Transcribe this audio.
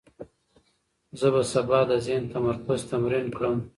زه به سبا د ذهن تمرکز تمرین کړم.